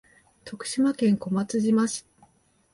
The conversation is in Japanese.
徳島県小松島市